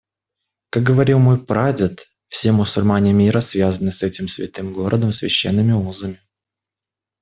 Как говорил мой прадед, все мусульмане мира связаны с этим святым городом священными узами.